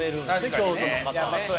京都の方は。